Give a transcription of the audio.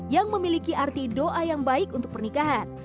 yang memiliki arti doa yang baik untuk pernikahan